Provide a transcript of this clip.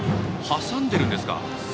挟んでいるんですか。